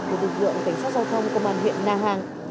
của lực lượng cảnh sát giao thông công an huyện na hàng